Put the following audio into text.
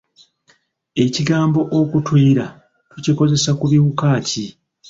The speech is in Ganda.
Ekigambo okutuyira tukikozesa ku biwuka ki?